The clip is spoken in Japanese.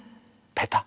ペタ。